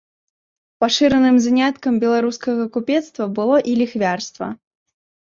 Пашыраным заняткам беларускага купецтва было і ліхвярства.